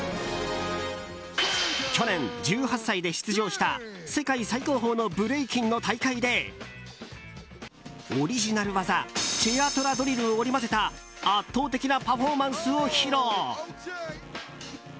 去年、１８歳で出場した世界最高峰のブレイキンの大会でオリジナル技チェアトラドリルを織り交ぜた圧倒的なパフォーマンスを披露。